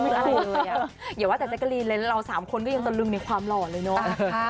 เดี๋ยวว่าแต่แจ๊กกะลินเรา๓คนก็ยังจะลึงในความหล่อเลยเนอะ